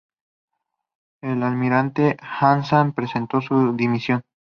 El almirante Aznar presentó su dimisión.